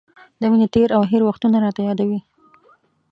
د مینې تېر او هېر وختونه راته را یادوي.